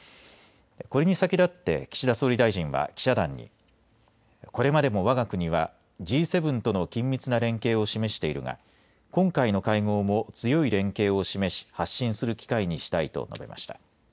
これに先立って岸田総理大臣は記者団にこれまでも、わが国はＧ７との緊密な連携を示しているが今回の会合も強い連携を示し発信する機会にしたいと述べました。